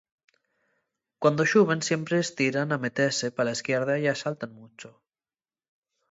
Cuando xuben siempres tiran a metese pa la esquierda ya saltan muncho.